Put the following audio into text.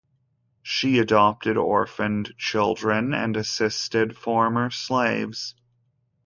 She adopted orphaned children and assisted former slaves.